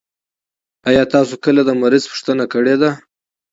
آيا تاسو کله د مريض پوښتنه کړي ده؟